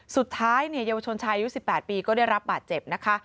สุดท้ายเนี่ยเยาวชนชายอายุ๑๘ปีก็ได้รับบาดเจ็บนะคะ